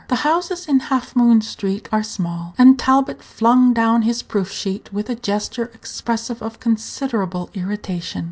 The houses in Half Moon street are small, and Talbot flung down his proof sheet with a gesture expressive of considerable irritation.